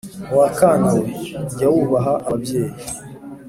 Wa kana we, jya wubaha ababyeyi!